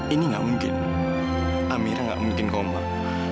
ini ki kamu minum dulu lah